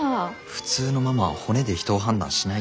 普通のママは骨で人を判断しないから。